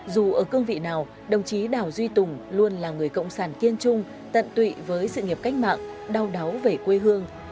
dù ở cương vị nào đồng chí đảo duy tùng luôn là người cộng sản kiên trung tận tụy với sự nghiệp cách mạng đau đáu về quê hương